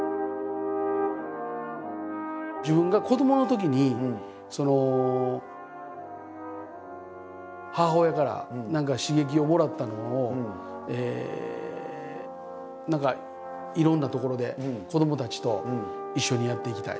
自分が子どものときにその母親から何か刺激をもらったのを何かいろんなところで子どもたちと一緒にやっていきたい。